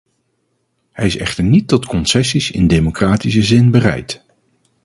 Hij is echter niet tot concessies in democratische zin bereid.